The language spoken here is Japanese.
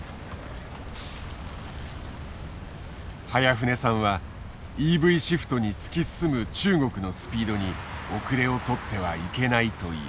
早舩さんはＥＶシフトに突き進む中国のスピードに遅れをとってはいけないという。